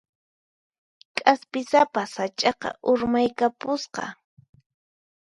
K'aspisapa sach'aqa urmaykapusqa.